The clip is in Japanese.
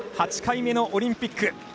８回目のオリンピック。